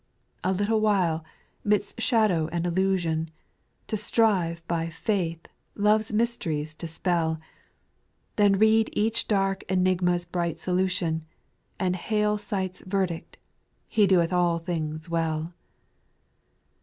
4w "A little while," midst shadow and illusion, To strive, by faith, love's mysteries to spell ; Then read each dark enigma's bright solution, And hail sight's verdict, " He doth all things well.'